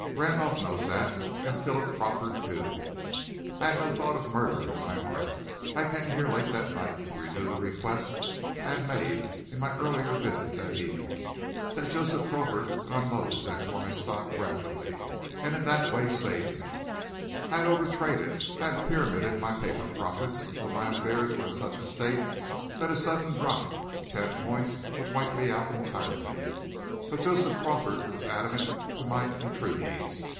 Randolph knows that and Philip Crawford, too. I had no thought of murder in my heart. I came here late that night to renew the request I had made in my earlier visit that evening that Joseph Crawford would unload his X.Y. stock gradually, and in that way save me. I had overtraded; I had pyramided my paper profits until my affairs were in such a state that a sudden drop of ten points would wipe me out entirely. But Joseph Crawford was adamant to my entreaties.